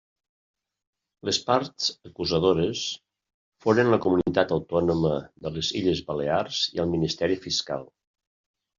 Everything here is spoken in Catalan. Les parts acusadores foren la Comunitat Autònoma de les Illes Balears i el Ministeri Fiscal.